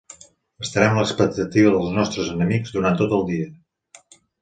Estarem a l'expectativa dels nostres enemics durant tot el dia.